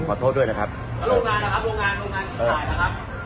แล้วโรงงานนะครับโรงงานที่ถ่ายนะครับ